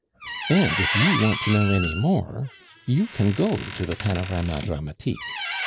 And if you want to know any more, you can go to the Panorama Dramatique.